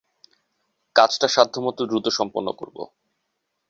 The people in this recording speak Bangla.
কাজটা সাধ্যমতো দ্রুত সম্পন্ন করবো।